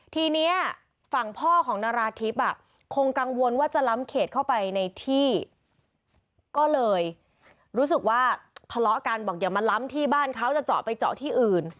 ทีนี้ฝั่งพ่อของนาราธิบคงกังวลว่าจะล้ำเขตเข้าไปในที่ก็เลยรู้สึกว่าทะเลาะกันบอกอย่ามาล้ำที่บ้านเขาจะเจาะไปเจาะที่อื่น